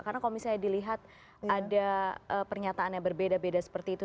karena kalau misalnya dilihat ada pernyataan yang berbeda beda seperti itu